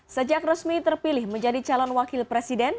sejak resmi terpilih menjadi calon wakil presiden